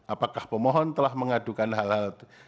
apakah pemohon telah mengadukan hal hal